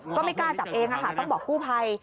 ก็ไม่กล้าจับเองต้องบอกกู้ภัย